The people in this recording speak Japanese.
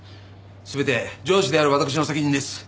全て上司である私の責任です。